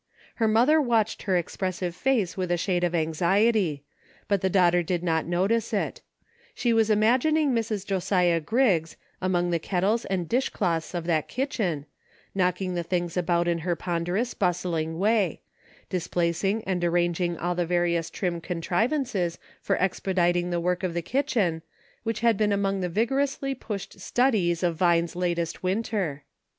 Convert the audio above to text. Her mother watched her expressive face with a shade of anxiety ; but the daughter did not notice it ; she was imagining Mrs. Josiah Griggs, among the kettles and dish cloths of that kitchen, knocking the things about in her ponderous bust ling way; displacing and disarranging all the various trim contrivances for expediting the work of the kitchen, which had been among the vigorously pushed studies of Vine's latest winter.